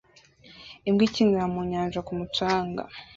Imbwa ikinira mu nyanja ku mucanga